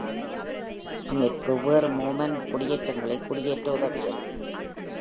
Smith வெவ்வேறு Mormon குடியேற்றங்களை குடியேற்ற உதவியது.